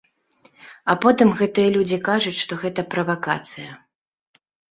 А потым гэтыя людзі кажуць, што гэта правакацыя.